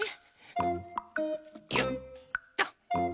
よっと。